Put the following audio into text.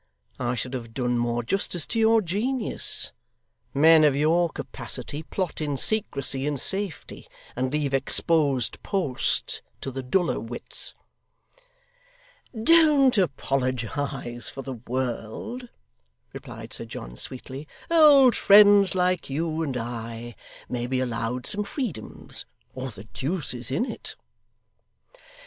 I should have done more justice to your genius. Men of your capacity plot in secrecy and safety, and leave exposed posts to the duller wits.' 'Don't apologise, for the world,' replied Sir John sweetly; 'old friends like you and I, may be allowed some freedoms, or the deuce is in it.